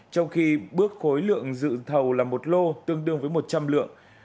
trong khi bước khối lượng dự thầu là một lô tương đương với một trăm linh lượng